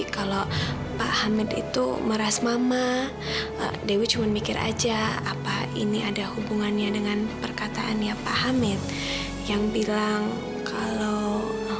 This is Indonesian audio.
kalau lana itu benar benar anak aku